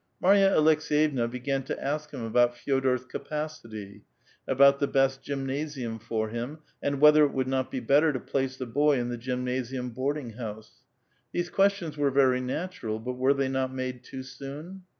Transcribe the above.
Marya Aleks^yevna began to ask him about Fe6dor's ca pacity, about the best gymnasium for him, and whether it would not be better to place the boy in the gymnasium board ing house. These questions were very natural, but were they not made too soon?